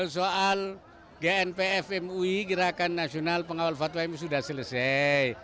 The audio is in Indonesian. soal gnpf mui gerakan nasional pengawal fatwa mui sudah selesai